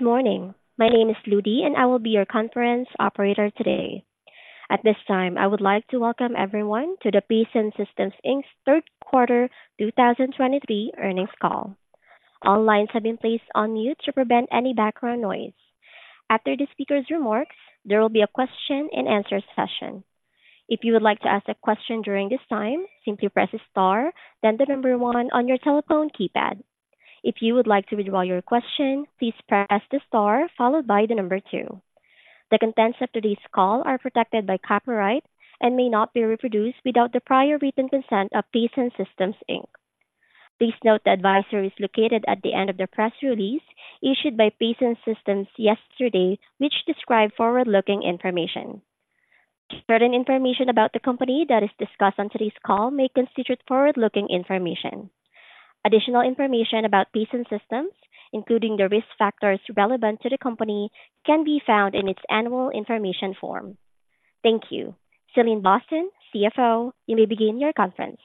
Good morning. My name is Ludy, and I will be your conference operator today. At this time, I would like to welcome everyone to the Pason Systems Inc.'s Third Quarter 2023 Earnings Call. All lines have been placed on mute to prevent any background noise. After the speaker's remarks, there will be a question-and-answer session. If you would like to ask a question during this time, simply press star, then the number one on your telephone keypad. If you would like to withdraw your question, please press the star followed by the number two. The contents of today's call are protected by copyright and may not be reproduced without the prior written consent of Pason Systems Inc. Please note the advisory is located at the end of the press release issued by Pason Systems yesterday, which described forward-looking information. Certain information about the company that is discussed on today's call may constitute forward-looking information. Additional information about Pason Systems, including the risk factors relevant to the company, can be found in its annual information form. Thank you. Celine Boston, CFO, you may begin your conference.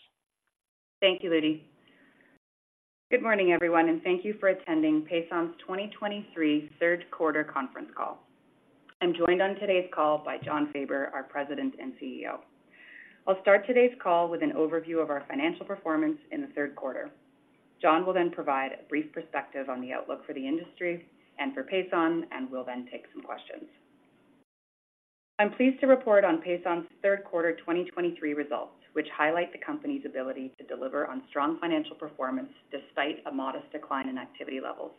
Thank you, Ludy. Good morning, everyone, and thank you for attending Pason's 2023 Third Quarter Conference Call. I'm joined on today's call by Jon Faber, our President and CEO. I'll start today's call with an overview of our financial performance in the third quarter. Jon will then provide a brief perspective on the outlook for the industry and for Pason, and we'll then take some questions. I'm pleased to report on Pason's third quarter 2023 results, which highlight the company's ability to deliver on strong financial performance despite a modest decline in activity levels.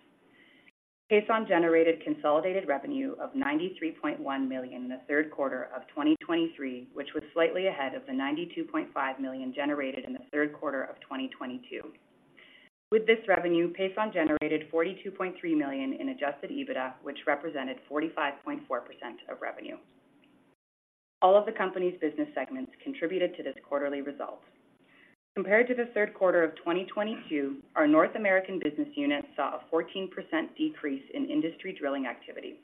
Pason generated consolidated revenue of 93.1 million in the third quarter of 2023, which was slightly ahead of the 92.5 million generated in the third quarter of 2022. With this revenue, Pason generated 42.3 million in Adjusted EBITDA, which represented 45.4% of revenue. All of the company's business segments contributed to this quarterly result. Compared to the third quarter of 2022, our North American business unit saw a 14% decrease in industry drilling activity.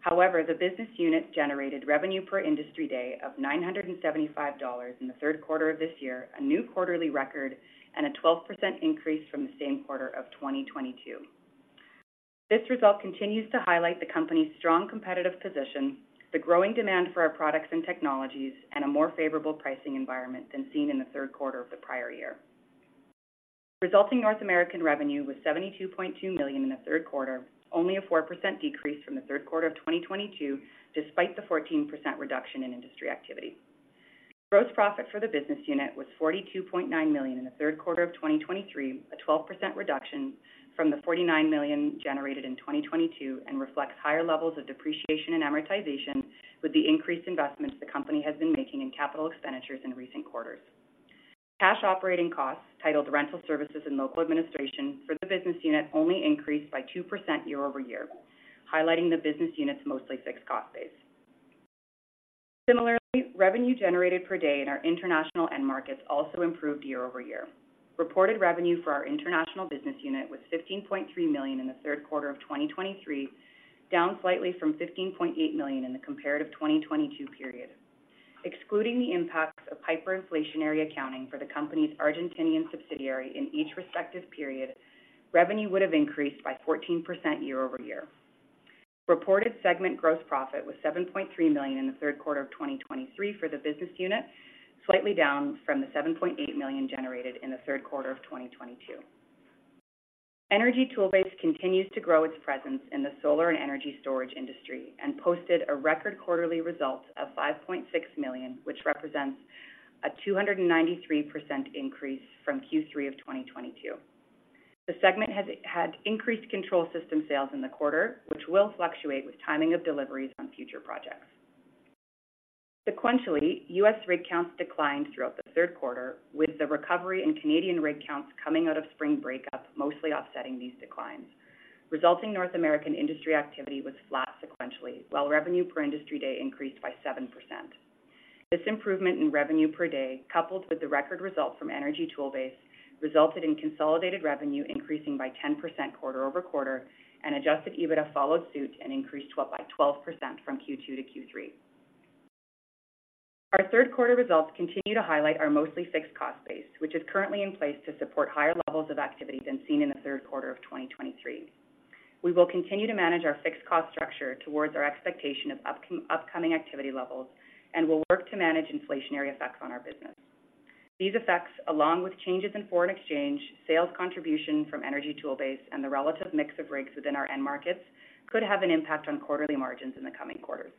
However, the business unit generated revenue per industry day of $975 in the third quarter of this year, a new quarterly record and a 12% increase from the same quarter of 2022. This result continues to highlight the company's strong competitive position, the growing demand for our products and technologies, and a more favorable pricing environment than seen in the third quarter of the prior year. Resulting North American revenue was $72.2 million in the third quarter, only a 4% decrease from the third quarter of 2022, despite the 14% reduction in industry activity. Gross profit for the business unit was 42.9 million in the third quarter of 2023, a 12% reduction from the 49 million generated in 2022 and reflects higher levels of depreciation and amortization with the increased investments the company has been making in capital expenditures in recent quarters. Cash operating costs, titled Rental Services and Local Administration for the business unit, only increased by 2% year-over-year, highlighting the business unit's mostly fixed cost base. Similarly, revenue generated per day in our international end markets also improved year-over-year. Reported revenue for our international business unit was 15.3 million in the third quarter of 2023, down slightly from 15.8 million in the comparative 2022 period. Excluding the impacts of hyperinflationary accounting for the company's Argentinian subsidiary in each respective period, revenue would have increased by 14% year-over-year. Reported segment gross profit was $7.3 million in the third quarter of 2023 for the business unit, slightly down from the $7.8 million generated in the third quarter of 2022. Energy Toolbase continues to grow its presence in the solar and energy storage industry and posted a record quarterly result of $5.6 million, which represents a 293% increase from Q3 of 2022. The segment has had increased control system sales in the quarter, which will fluctuate with timing of deliveries on future projects. Sequentially, U.S. rig counts declined throughout the third quarter, with the recovery in Canadian rig counts coming out of spring breakup, mostly offsetting these declines. Resulting North American industry activity was flat sequentially, while revenue per industry day increased by 7%. This improvement in revenue per day, coupled with the record result from Energy Toolbase, resulted in consolidated revenue increasing by 10% quarter-over-quarter, and adjusted EBITDA followed suit and increased by 12% from Q2 to Q3. Our third quarter results continue to highlight our mostly fixed cost base, which is currently in place to support higher levels of activity than seen in the third quarter of 2023. We will continue to manage our fixed cost structure towards our expectation of upcoming activity levels and will work to manage inflationary effects on our business. These effects, along with changes in foreign exchange, sales contribution from Energy Toolbase, and the relative mix of rigs within our end markets, could have an impact on quarterly margins in the coming quarters.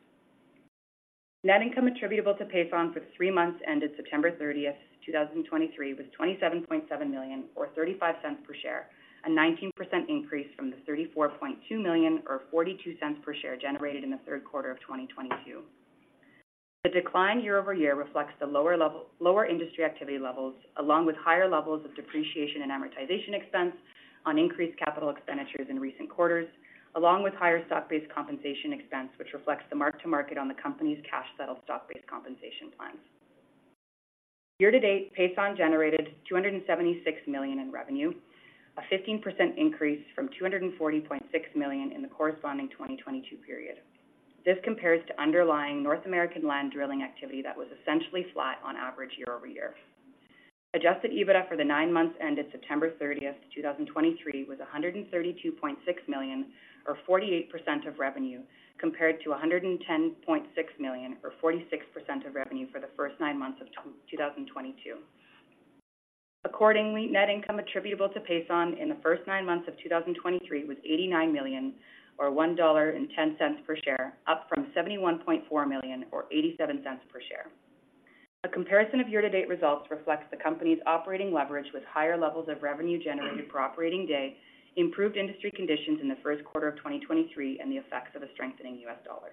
Net income attributable to Pason for the three months ended 30 September 2023, was 27.7 million, or 0.35 per share, a 19% increase from the 34.2 million or 0.42 per share generated in the third quarter of 2022. The decline year over year reflects the lower industry activity levels, along with higher levels of depreciation and amortization expense on increased capital expenditures in recent quarters, along with higher stock-based compensation expense, which reflects the mark to market on the company's cash-settled stock-based compensation plans. Year to date, Pason generated CAD 276 million in revenue, a 15% increase from CAD 240.6 million in the corresponding 2022 period. This compares to underlying North American land drilling activity that was essentially flat on average year-over-year. Adjusted EBITDA for the nine months ended 30 September 2023 was $132.6 million, or 48% of revenue, compared to $110.6 million, or 46% of revenue for the first nine months of 2022. Accordingly, net income attributable to Pason in the first nine months of 2023 was $89 million or $1.10 per share, up from $71.4 million or $0.87 per share. A comparison of year-to-date results reflects the company's operating leverage with higher levels of revenue generated per operating day, improved industry conditions in the first quarter of 2023, and the effects of a strengthening U.S. dollar.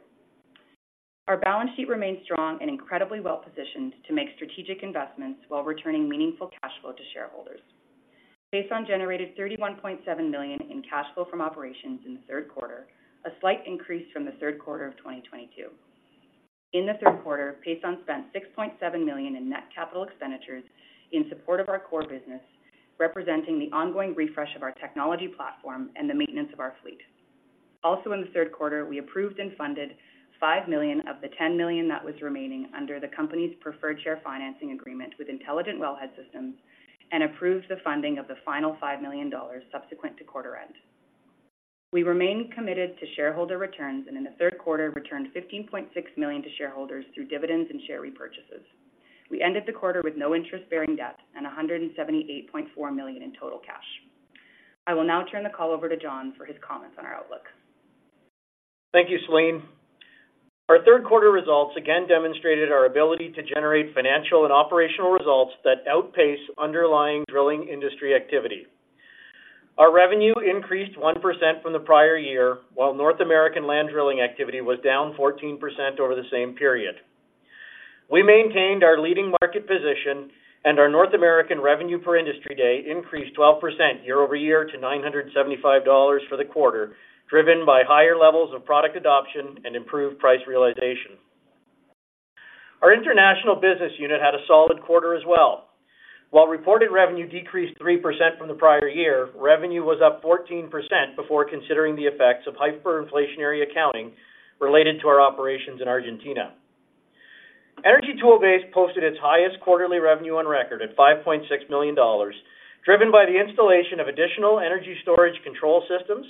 Our balance sheet remains strong and incredibly well-positioned to make strategic investments while returning meaningful cash flow to shareholders. Pason generated 31.7 million in cash flow from operations in the third quarter, a slight increase from the third quarter of 2022. In the third quarter, Pason spent 6.7 million in net capital expenditures in support of our core business, representing the ongoing refresh of our technology platform and the maintenance of our fleet. Also, in the third quarter, we approved and funded five million of the 10 million that was remaining under the company's preferred share financing agreement with Intelligent Wellhead Systems and approved the funding of the final five million dollars subsequent to quarter end. We remain committed to shareholder returns and in the third quarter, returned 15.6 million to shareholders through dividends and share repurchases. We ended the quarter with no interest-bearing debt and 178.4 million in total cash. I will now turn the call over to Jon for his comments on our outlook. Thank you, Celine. Our third quarter results again demonstrated our ability to generate financial and operational results that outpace underlying drilling industry activity. Our revenue increased 1% from the prior year, while North American land drilling activity was down 14% over the same period. We maintained our leading market position, and our North American revenue per industry day increased 12% year-over-year to $975 for the quarter, driven by higher levels of product adoption and improved price realization. Our international business unit had a solid quarter as well. While reported revenue decreased 3% from the prior year, revenue was up 14% before considering the effects of hyperinflationary accounting related to our operations in Argentina. Energy Toolbase posted its highest quarterly revenue on record at $5.6 million, driven by the installation of additional energy storage control systems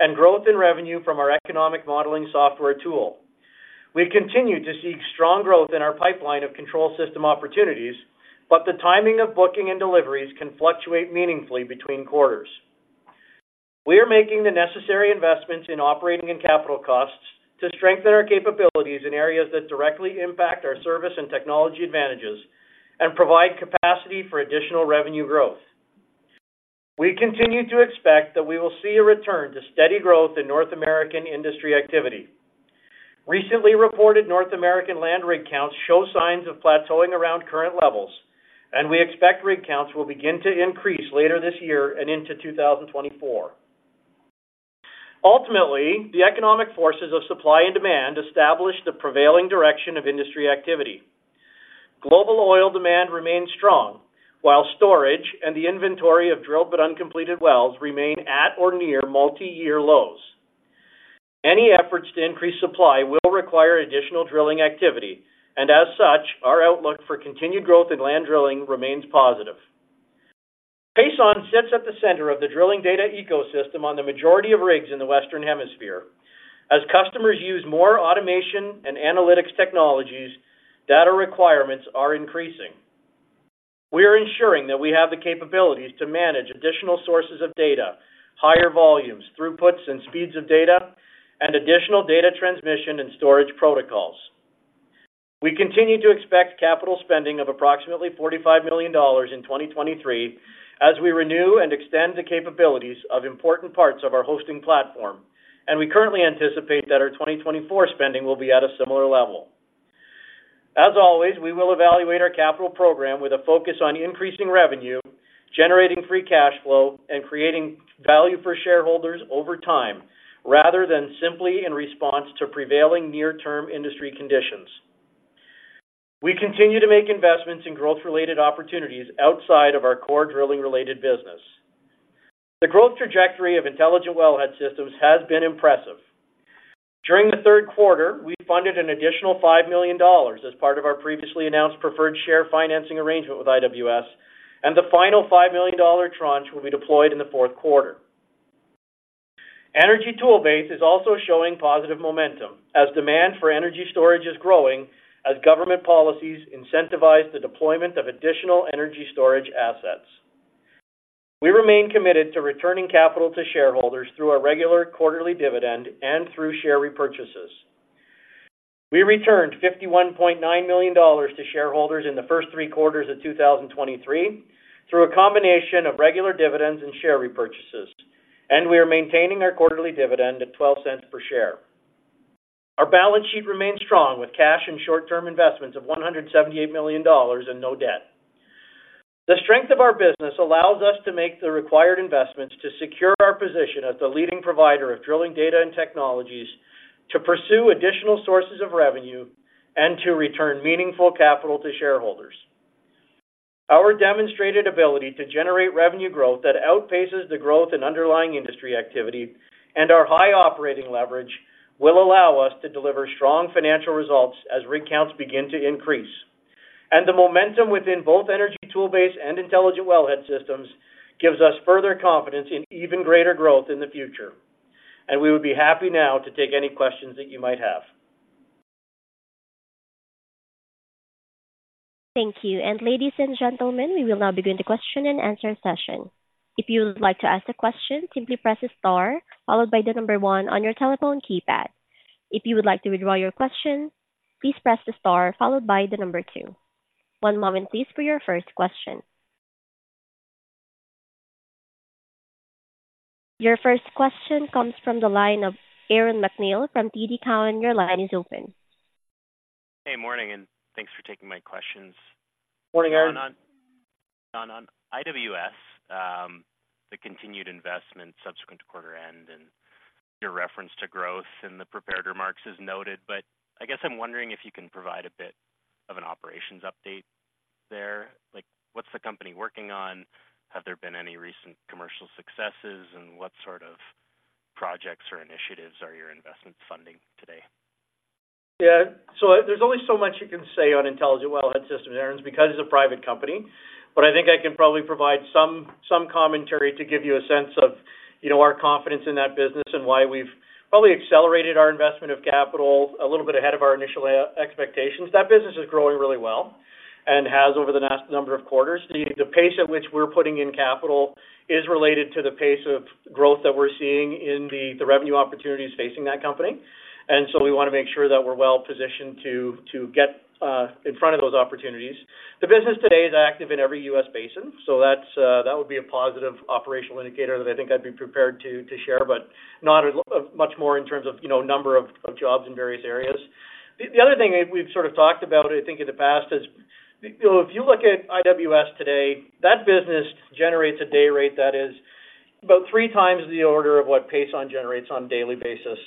and growth in revenue from our economic modeling software tool. We continue to see strong growth in our pipeline of control system opportunities, but the timing of booking and deliveries can fluctuate meaningfully between quarters. We are making the necessary investments in operating and capital costs to strengthen our capabilities in areas that directly impact our service and technology advantages and provide capacity for additional revenue growth. We continue to expect that we will see a return to steady growth in North American industry activity. Recently reported North American land rig counts show signs of plateauing around current levels, and we expect rig counts will begin to increase later this year and into 2024. Ultimately, the economic forces of supply and demand establish the prevailing direction of industry activity. Global oil demand remains strong, while storage and the inventory of drilled but uncompleted wells remain at or near multi-year lows. Any efforts to increase supply will require additional drilling activity, and as such, our outlook for continued growth in land drilling remains positive. Pason sits at the center of the drilling data ecosystem on the majority of rigs in the Western Hemisphere. As customers use more automation and analytics technologies, data requirements are increasing. We are ensuring that we have the capabilities to manage additional sources of data, higher volumes, throughputs and speeds of data, and additional data transmission and storage protocols. We continue to expect capital spending of approximately $45 million in 2023 as we renew and extend the capabilities of important parts of our hosting platform, and we currently anticipate that our 2024 spending will be at a similar level. As always, we will evaluate our capital program with a focus on increasing revenue, generating free cash flow, and creating value for shareholders over time, rather than simply in response to prevailing near-term industry conditions. We continue to make investments in growth-related opportunities outside of our core drilling-related business. The growth trajectory of Intelligent Wellhead Systems has been impressive. During the third quarter, we funded an additional $5 million as part of our previously announced preferred share financing arrangement with IWS, and the final $5 million tranche will be deployed in the fourth quarter. Energy Toolbase is also showing positive momentum as demand for energy storage is growing as government policies incentivize the deployment of additional energy storage assets. We remain committed to returning capital to shareholders through our regular quarterly dividend and through share repurchases. We returned $51.9 million to shareholders in the first three quarters of 2023 through a combination of regular dividends and share repurchases, and we are maintaining our quarterly dividend at $0.12 per share. Our balance sheet remains strong, with cash and short-term investments of $178 million and no debt. The strength of our business allows us to make the required investments to secure our position as the leading provider of drilling data and technologies, to pursue additional sources of revenue, and to return meaningful capital to shareholders. Our demonstrated ability to generate revenue growth that outpaces the growth in underlying industry activity and our high operating leverage will allow us to deliver strong financial results as rig counts begin to increase. The momentum within both Energy Toolbase and Intelligent Wellhead Systems gives us further confidence in even greater growth in the future. We would be happy now to take any questions that you might have. Thank you. Ladies and gentlemen, we will now begin the question-and-answer session. If you would like to ask a question, simply press star, followed by the number one on your telephone keypad. If you would like to withdraw your question, please press the star followed by the number two. One moment please, for your first question. Your first question comes from the line of Aaron MacNeil from TD Cowen. Your line is open. Hey, morning, and thanks for taking my questions. Morning, Aaron. Jon, on IWS, the continued investment subsequent to quarter end, and your reference to growth in the prepared remarks is noted, but I guess I'm wondering if you can provide a bit of an operations update there. Like, what's the company working on? Have there been any recent commercial successes, and what sort of projects or initiatives are your investment funding today? Yeah. So there's only so much you can say on Intelligent Wellhead Systems, Aaron, because it's a private company, but I think I can probably provide some, some commentary to give you a sense of, you know, our confidence in that business and why we've probably accelerated our investment of capital a little bit ahead of our initial expectations. That business is growing really well and has over the last number of quarters. The pace at which we're putting in capital is related to the pace of growth that we're seeing in the revenue opportunities facing that company. And so we wanna make sure that we're well positioned to get in front of those opportunities. The business today is active in every U.S. basin, so that's, that would be a positive operational indicator that I think I'd be prepared to, to share, but not as much more in terms of, you know, number of, of jobs in various areas. The other thing we've sort of talked about, I think, in the past is, you know, if you look at IWS today, that business generates a day rate that is about three times the order of what Pason generates on a daily basis.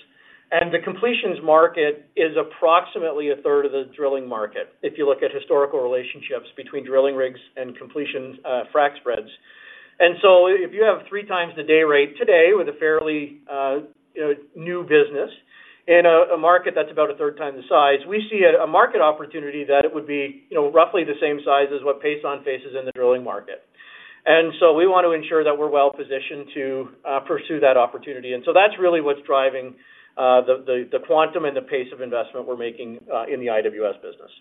The completions market is approximately a third of the drilling market, if you look at historical relationships between drilling rigs and completions, frac spreads. If you have three times the day rate today with a fairly, you know, new business in a market that's about a third time the size, we see a market opportunity that it would be, you know, roughly the same size as what Pason faces in the drilling market. We want to ensure that we're well positioned to pursue that opportunity. That's really what's driving the quantum and the pace of investment we're making in the IWS business.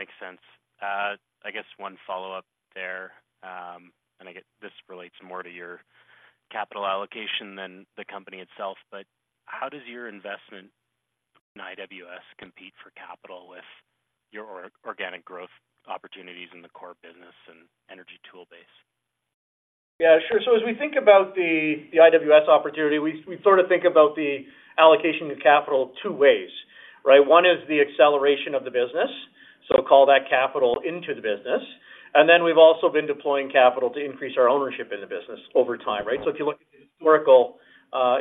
Makes sense. I guess one follow-up there, and I get this relates more to your capital allocation than the company itself, but how does your investment in IWS compete for capital with your organic growth opportunities in the core business and Energy Toolbase? Yeah, sure. So as we think about the IWS opportunity, we sort of think about the allocation of capital two ways, right? One is the acceleration of the business, so call that capital into the business. And then we've also been deploying capital to increase our ownership in the business over time, right? So if you look at the historical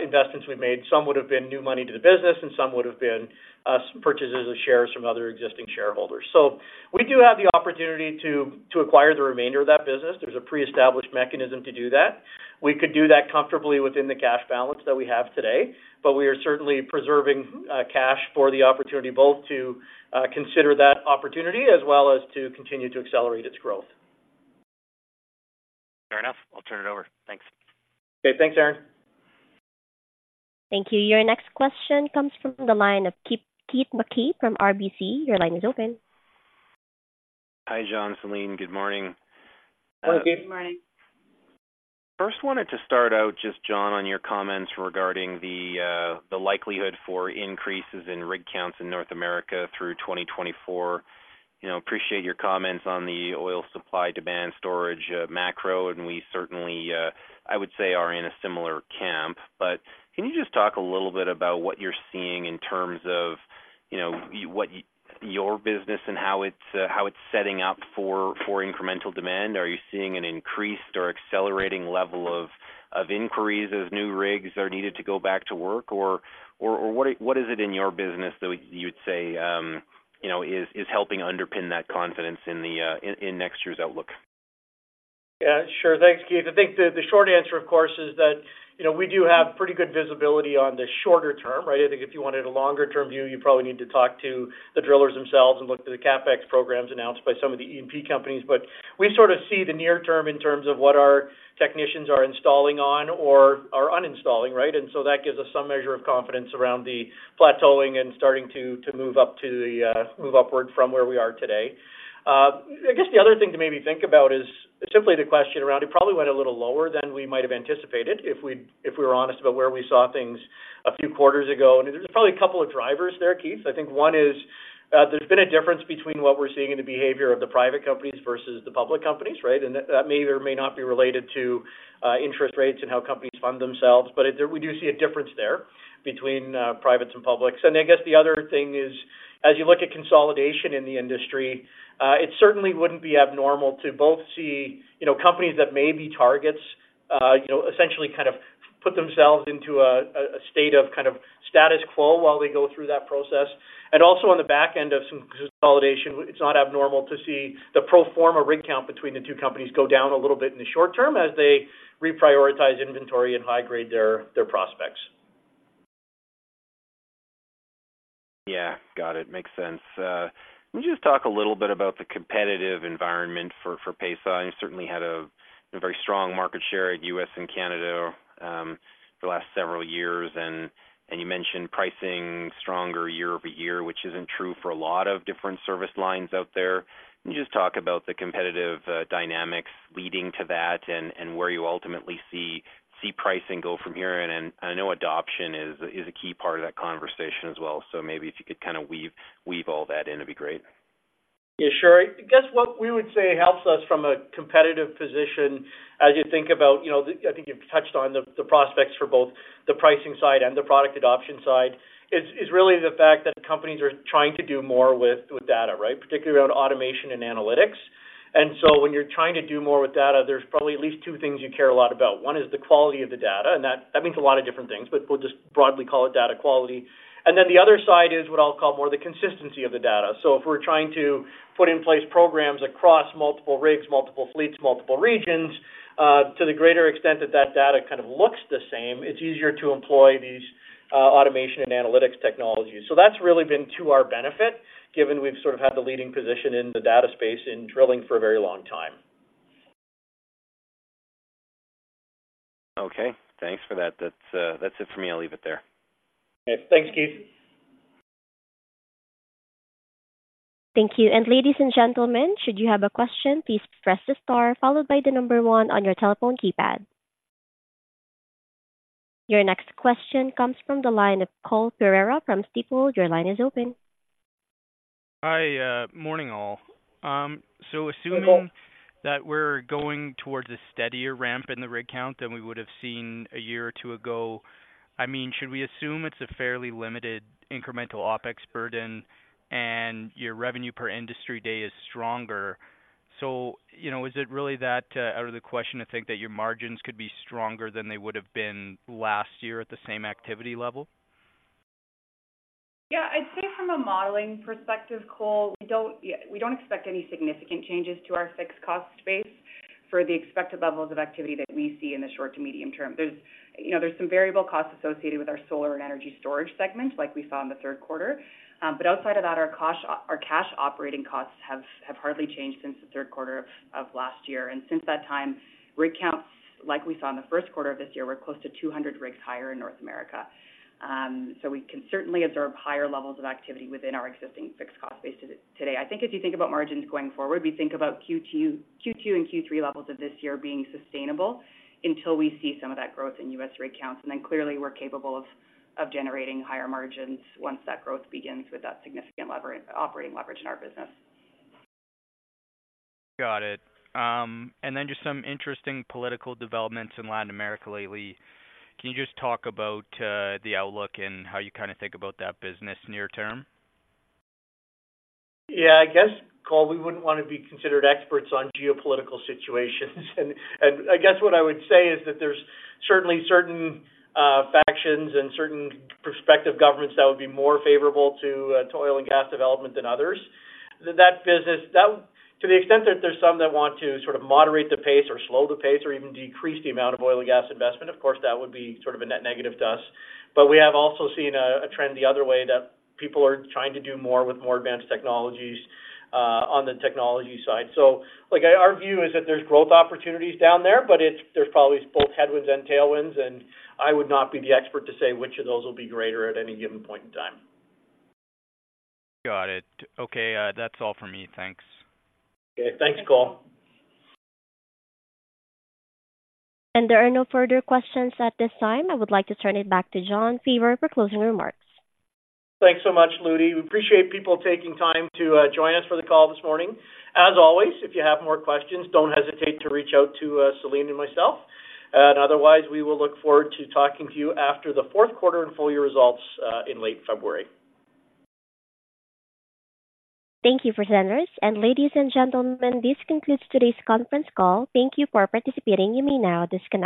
investments we've made, some would have been new money to the business, and some would have been purchases of shares from other existing shareholders. So we do have the opportunity to acquire the remainder of that business. There's a pre-established mechanism to do that. We could do that comfortably within the cash balance that we have today, but we are certainly preserving cash for the opportunity both to consider that opportunity as well as to continue to accelerate its growth. Fair enough. I'll turn it over. Thanks. Okay. Thanks, Aaron. Thank you. Your next question comes from the line of Keith MacKey from RBC. Your line is open. Hi, Jon, Celine. Good morning. Hello, Keith. Good morning. First, wanted to start out just, Jon, on your comments regarding the likelihood for increases in rig counts in North America through 2024. You know, appreciate your comments on the oil supply, demand, storage, macro, and we certainly, I would say, are in a similar camp. But can you just talk a little bit about what you're seeing in terms of, you know, what your business and how it's setting up for, for incremental demand? Are you seeing an increased or accelerating level of inquiries as new rigs are needed to go back to work? Or what is it in your business that you'd say, you know, is helping underpin that confidence in the, in next year's outlook? Yeah, sure. Thanks, Keith. I think the short answer, of course, is that, you know, we do have pretty good visibility on the shorter term, right? I think if you wanted a longer term view, you probably need to talk to the drillers themselves and look to the CapEx programs announced by some of the E&P companies. But we sort of see the near term in terms of what our technicians are installing on or are uninstalling, right? And so that gives us some measure of confidence around the plateauing and starting to move up to the move upward from where we are today. I guess the other thing to maybe think about is simply the question around, it probably went a little lower than we might have anticipated if we were honest about where we saw things a few quarters ago. And there's probably a couple of drivers there, Keith. I think one is, there's been a difference between what we're seeing in the behavior of the private companies versus the public companies, right? And that, that may or may not be related to, interest rates and how companies fund themselves, but it. We do see a difference there between, privates and publics. And I guess the other thing is, as you look at consolidation in the industry, it certainly wouldn't be abnormal to both see, you know, companies that may be targets, you know, essentially kind of put themselves into a state of kind of status quo while they go through that process. Also on the back end of some consolidation, it's not abnormal to see the pro forma rig count between the two companies go down a little bit in the short term as they reprioritize inventory and high-grade their prospects. Got it. Makes sense. Can you just talk a little bit about the competitive environment for, for Pason? You certainly had a, a very strong market share in U.S. and Canada, the last several years, and, and you mentioned pricing stronger year-over-year, which isn't true for a lot of different service lines out there. Can you just talk about the competitive dynamics leading to that and, and where you ultimately see, see pricing go from here? And, and I know adoption is, is a key part of that conversation as well. So maybe if you could kind of weave, weave all that in, it'd be great. Yeah, sure. I guess what we would say helps us from a competitive position, as you think about, you know, the I think you've touched on the prospects for both the pricing side and the product adoption side, is really the fact that companies are trying to do more with data, right? Particularly around automation and analytics. And so when you're trying to do more with data, there's probably at least two things you care a lot about. One is the quality of the data, and that means a lot of different things, but we'll just broadly call it data quality. And then the other side is what I'll call more the consistency of the data. So if we're trying to put in place programs across multiple rigs, multiple fleets, multiple regions, to the greater extent that that data kind of looks the same, it's easier to employ these, automation and analytics technologies. So that's really been to our benefit, given we've sort of had the leading position in the data space in drilling for a very long time. Okay, thanks for that. That's, that's it for me. I'll leave it there. Okay. Thanks, Keith. Thank you. And ladies and gentlemen, should you have a question, please press the star followed by the number one on your telephone keypad. Your next question comes from the line of Cole Pereira from Stifel. Your line is open. Hi, morning, all. So assuming Good morning. That we're going towards a steadier ramp in the rig count than we would have seen a year or two ago, I mean, should we assume it's a fairly limited incremental OpEx burden and your revenue per industry day is stronger? So, you know, is it really that, out of the question to think that your margins could be stronger than they would have been last year at the same activity level? Yeah, I'd say from a modeling perspective, Cole, we don't, yeah, we don't expect any significant changes to our fixed cost base for the expected levels of activity that we see in the short to medium term. There's, you know, there's some variable costs associated with our solar and energy storage segment, like we saw in the third quarter. But outside of that, our cash, our cash operating costs have, have hardly changed since the third quarter of, of last year. And since that time, rig counts, like we saw in the first quarter of this year, we're close to 200 rigs higher in North America. So we can certainly observe higher levels of activity within our existing fixed cost base today. I think if you think about margins going forward, we think about Q2 and Q3 levels of this year being sustainable until we see some of that growth in U.S. rig counts. And then clearly, we're capable of generating higher margins once that growth begins with that significant leverage, operating leverage in our business. Got it. And then just some interesting political developments in Latin America lately. Can you just talk about the outlook and how you kind of think about that business near term? Yeah, I guess, Cole, we wouldn't want to be considered experts on geopolitical situations. And I guess what I would say is that there's certainly certain factions and certain prospective governments that would be more favorable to to oil and gas development than others. That business, that— To the extent that there's some that want to sort of moderate the pace or slow the pace or even decrease the amount of oil and gas investment, of course, that would be sort of a net negative to us. But we have also seen a trend the other way, that people are trying to do more with more advanced technologies on the technology side. So, like, our view is that there's growth opportunities down there, but it's, there's probably both headwinds and tailwinds, and I would not be the expert to say which of those will be greater at any given point in time. Got it. Okay, that's all for me. Thanks. Okay, thanks, Cole. There are no further questions at this time. I would like to turn it back to Jon Faber for closing remarks. Thanks so much, Ludy. We appreciate people taking time to join us for the call this morning. As always, if you have more questions, don't hesitate to reach out to Celine and myself, and otherwise, we will look forward to talking to you after the fourth quarter and full year results in late February. Thank you, presenters. Ladies and gentlemen, this concludes today's conference call. Thank you for participating. You may now disconnect.